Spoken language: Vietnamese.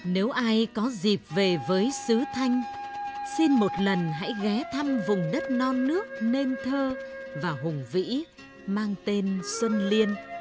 nếu ai có dịp về với sứ thanh xin một lần hãy ghé thăm vùng đất non nước nên thơ và hùng vĩ mang tên xuân liên